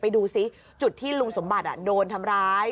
ดูสิจุดที่ลุงสมบัติโดนทำร้าย